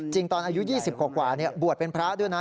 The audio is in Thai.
ตอนอายุ๒๐กว่าบวชเป็นพระด้วยนะ